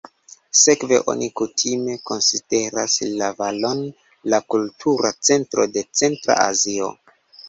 Sekve oni kutime konsideras la valon la kultura centro de Centra Azio.